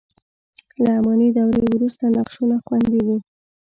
له اماني دورې وروسته نقشونه خوندي دي.